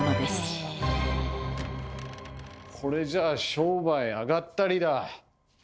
これじゃあ商売あがったりだ。